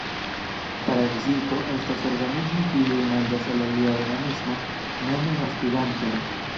Parazito estas organismo kiuj manĝas el alia organismo, nome gastiganto.